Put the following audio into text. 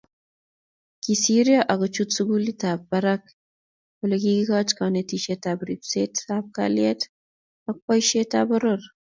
kisiryo akochut sukulitap barak Ole kikikoch konetisietab ripsetab kalyet ak boisietab poror